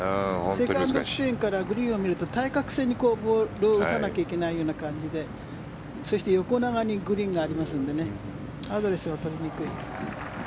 セカンド地点からグリーンを見ると対角線にボールを打たなきゃいけない感じでそして横長にグリーンがありますのでアドレスが取りにくい。